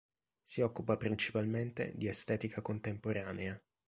Si occupa principalmente di estetica contemporanea.